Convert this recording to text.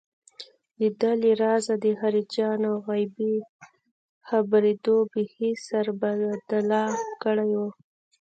دده له رازه د خارجيانو غيبي خبرېدو بېخي سربداله کړی و.